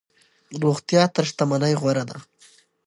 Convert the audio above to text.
روغتیا تر شتمنۍ غوره ده.